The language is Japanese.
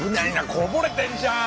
こぼれてるじゃん！